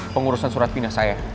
pengurusan surat pindah saya